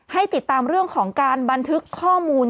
ให้ติดตามเรื่องของการบันทึกข้อมูล